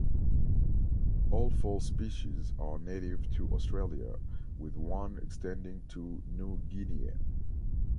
All four species are native to Australia, with one extending to New Guinea.